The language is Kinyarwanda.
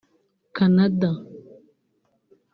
Canada